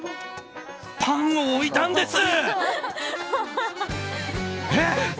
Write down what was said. パンを置いたんです！